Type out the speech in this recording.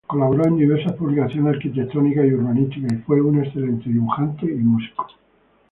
Colaboró en diversas publicaciones arquitectónicas y urbanísticas y fue un excelente dibujante y músico.